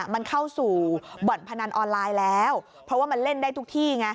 มันเข้าสู่บ่อนพนันออนไลน์แล้วเพราะว่ามันเล่นได้ทุกที่ไง